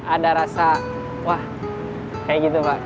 ada rasa wah kayak gitu pak